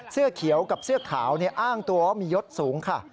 เสื้อเขียวกับเสื้อขาวอ้างตัวว่ามียศสูงค่ะ